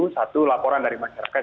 satu laporan dari masyarakat